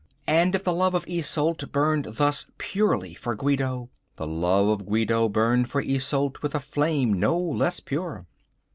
And if the love of Isolde burned thus purely for Guido, the love of Guido burned for Isolde with a flame no less pure.